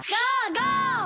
ゴー！